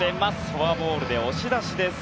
フォアボールで押し出しです。